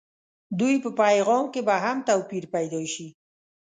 دوی په پیغام کې به هم توپير پيدا شي.